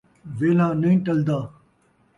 ویلھا نئیں ٹلدا